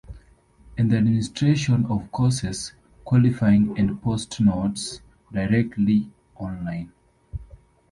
And the administration of courses, qualifying and post notes, directly online.